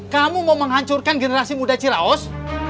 kamu mau menghancurkan generasi muda cilaus